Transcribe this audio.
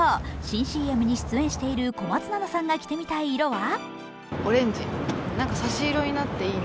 新ＣＭに出演している小松菜奈さんが着てみたい色は？